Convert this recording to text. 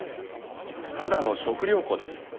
ただの食料庫です。